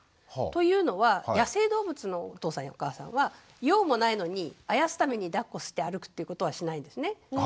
というのは野生動物のお父さんやお母さんは用もないのにあやすためにだっこして歩くということはしないんですね。